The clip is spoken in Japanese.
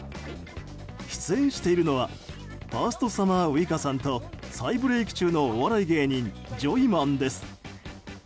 出演しているのはファーストサマーウイカさんと再ブレーク中のお笑い芸人ジョイマンです。